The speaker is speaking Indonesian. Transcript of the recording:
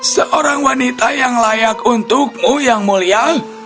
seorang wanita yang layak untukmu yang mulia